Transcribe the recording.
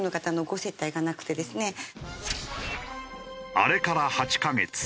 あれから８カ月。